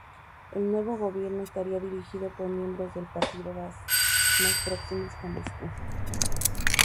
El nuevo gobierno estaría dirigido por miembros del Partido Baaz, más próximos a Moscú.